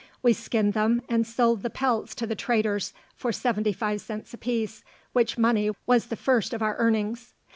We skinned them, and sold the pelts to the traders for seventy five cents a piece, which money was the first of our earnings.